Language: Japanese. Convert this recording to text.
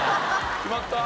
決まった？